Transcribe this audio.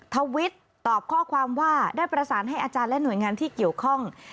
ทวิตตอบข้อความว่าได้ประสานให้อาจารย์และหน่วยงานที่เกี่ยวข้อง